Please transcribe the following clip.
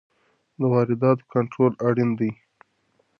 د وارداتو کنټرول اړین دی.